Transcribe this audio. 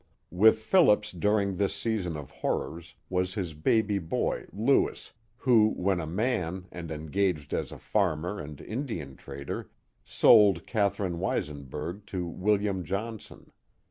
With Phillips during this season of horrors was his baby boy, Lewis, who, when a man and engaged as a farmer and Indian trader, sold Catherine Weisenburg to Wm. Johnson.